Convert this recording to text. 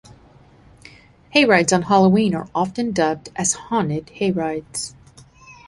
Hayrides on Halloween are often dubbed as 'haunted hayrides'.